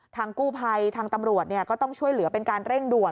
ทางกู้ภัยทางตำรวจก็ต้องช่วยเหลือเป็นการเร่งด่วน